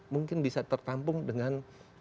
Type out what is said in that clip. mungkin bisa tertampung dengan